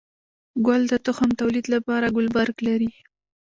گل د تخم توليد لپاره ګلبرګ لري